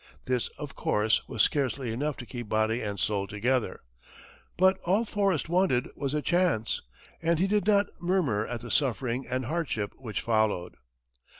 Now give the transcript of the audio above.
This, of course, was scarcely enough to keep body and soul together, but all Forrest wanted was a chance, and he did not murmur at the suffering and hardship which followed.